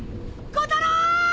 コタロウー！